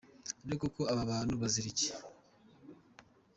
ariko koko aba bantu bazira iki?